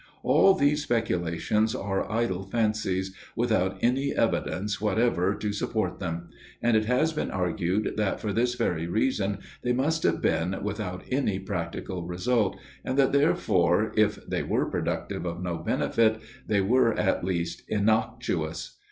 All these speculations are idle fancies, without any evidence whatever to support them; and it has been argued that, for this very reason, they must have been without any practical result, and that, therefore, if they were productive of no benefit, they were, at least, innoxious.